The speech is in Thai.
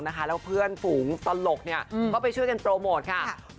แล้วเพื่อนฝูงตลกก็ช่วยจะโปรโมทครับ